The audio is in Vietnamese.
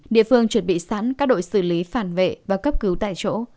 địa phương chuẩn bị sẵn các đội xử lý phản vệ và cấp cứu tại chỗ